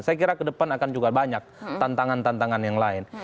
saya kira ke depan akan juga banyak tantangan tantangan yang lain